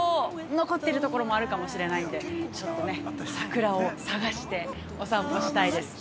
残ってるところもあるかもしれないんで桜を探して、おさんぽしたいです。